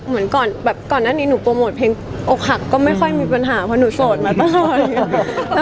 เหมือนก่อนแบบก่อนหน้านี้หนูโปรโมทเพลงอกหักก็ไม่ค่อยมีปัญหาเพราะหนูโสดมาตลอดเลย